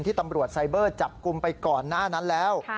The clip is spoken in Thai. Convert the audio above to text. ที่ตำรวจจับกลุ่มไปก่อนหน้านั้นแล้ว